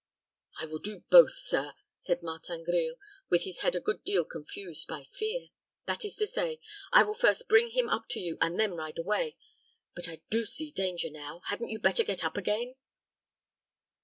"I will do both, sir," said Martin Grille, with his head a good deal confused by fear. "That is to say, I will first bring him up to you, and then ride away. But I do see danger now. Hadn't you better get up again?"